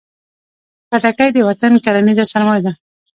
خټکی د وطن کرنیزه سرمایه ده.